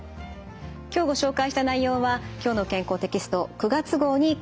今日ご紹介した内容は「きょうの健康」テキスト９月号に掲載されています。